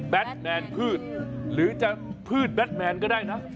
แบตแมนพืชหรือจะปื๊ดแบตแมนก็ได้นะ